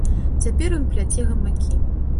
Цяпер ён пляце гамакі.